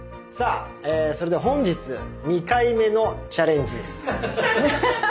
さあそれでは本日２回目のチャレンジです。